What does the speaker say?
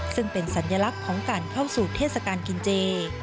ซึ่งเป็นสัญลักษณ์ของการเข้าสู่เทศกาลกินเจ